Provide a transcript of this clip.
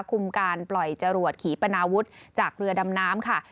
การปล่อยจรวดขีปนาวุฒิจากเรือดำน้ำค่ะ